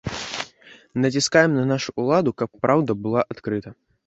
Націскаем на нашу ўладу, каб праўда была адкрыта.